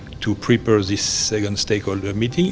untuk mempersiapkan meeting second stakeholder ini